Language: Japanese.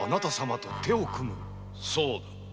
そうだ。